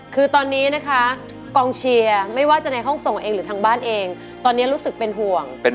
คือตอนนี้นะคะกองเชียร์ไม่ว่าจะในห้องส่งเองหรือทางบ้านเองตอนนี้รู้สึกเป็นห่วง